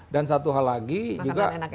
dan satu hal lagi juga